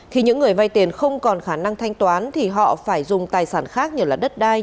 khi những người vay tiền không còn khả năng thanh toán thì họ phải dùng tài sản khác như đất đai